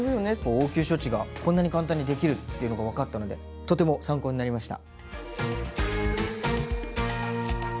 応急処置がこんなに簡単にできるっていうのが分かったのでとても参考になりました。